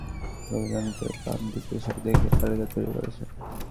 তাঁরা সুবিধা নিয়ে ব্যবসায়ীদের লোকজনকে প্রান্তিক কৃষক দেখিয়ে তালিকা তৈরি করেছেন।